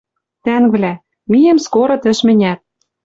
Тӓнгвлӓ, миэм скоро тӹш мӹнят.